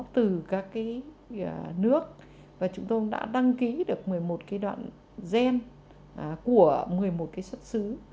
từ các nước và chúng tôi đã đăng ký được một mươi một đoạn gen của một mươi một xuất xứ